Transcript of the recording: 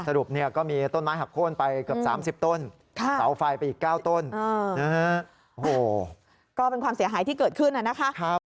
สรุปก็มีต้นไม้หักโค้นไปเกือบ๓๐ต้น